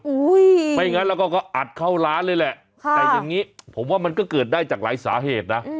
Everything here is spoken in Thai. ไม่งั้นเราก็อัดเข้าร้านเลยแหละแต่อย่างนี้ผมว่ามันก็เกิดได้จากหลายสาเหตุนะ